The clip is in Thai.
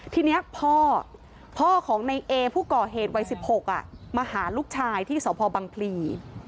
ทีนี้พ่อพ่อของในเอผู้ก่อเหตุวัย๑๖มาหาลูกชายที่สพบังพลี